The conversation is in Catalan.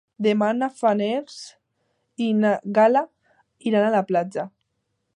Demà na Farners i na Gal·la iran a la platja.